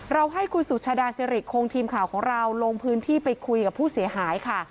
ให้คุณสุชาดาสิริคงทีมข่าวของเราลงพื้นที่ไปคุยกับผู้เสียหายค่ะ